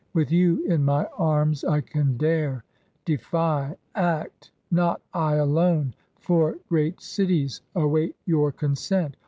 With you in my arms I can dare — defy — act Not I alone — four great cities await your consent.